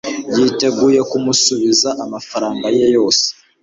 yiteguye kumusubiza amafaranga ye yose